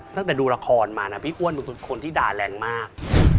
ตั้งแต่ดูละครมานะพี่อ้วนเป็นคนที่ด่าแรงมาก